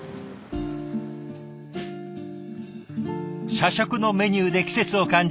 社食のメニューで季節を感じ